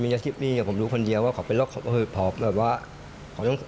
แต่เขาเรียกว่าทะเลาะกัน